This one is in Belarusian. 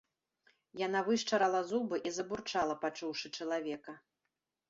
Яна вышчарыла зубы і забурчала, пачуўшы чалавека.